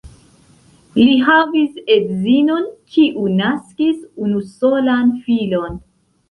Li havis edzinon, kiu naskis unusolan filon.